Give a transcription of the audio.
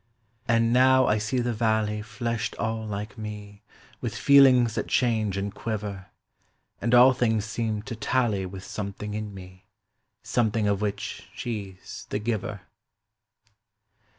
And now I see the valley Fleshed all like me With feelings that change and quiver: And all things seem to tally With something in me, Something of which she's the giver.